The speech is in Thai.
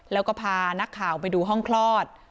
แล้วก็พานักข่าวไปดูห้องคลอด